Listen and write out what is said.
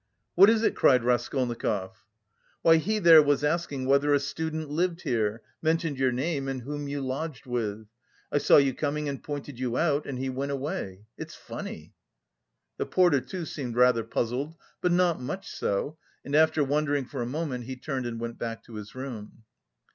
"What is it?" cried Raskolnikov. "Why, he there was asking whether a student lived here, mentioned your name and whom you lodged with. I saw you coming and pointed you out and he went away. It's funny." The porter too seemed rather puzzled, but not much so, and after wondering for a moment he turned and went back to his room.